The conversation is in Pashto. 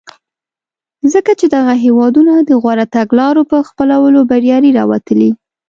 ځکه چې دغه هېوادونه د غوره تګلارو په خپلولو بریالي راوتلي.